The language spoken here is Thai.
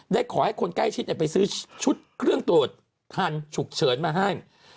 ขอให้คนใกล้ชิดไปซื้อชุดเครื่องตรวจทันฉุกเฉินมาให้